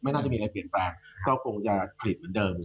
น่าจะมีอะไรเปลี่ยนแปลงก็คงจะผลิตเหมือนเดิม